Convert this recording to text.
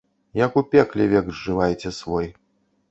Як у пекле, век зжываеце свой.